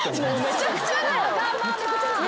めちゃくちゃだよ